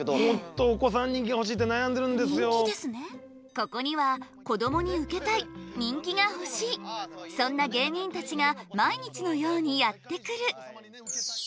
ここにはこどもにウケたい人気が欲しいそんな芸人たちが毎日のようにやって来る。